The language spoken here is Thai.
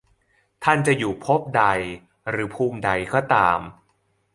ท่านจะอยู่ภพใดหรือภูมิใดก็ตาม